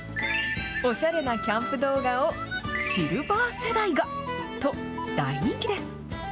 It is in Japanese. おしゃれなキャンプ動画をシルバー世代がと、大人気です。